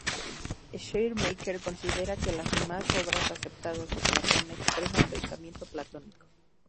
Schleiermacher considera que las demás obras aceptadas de Platón expresan pensamiento platónico.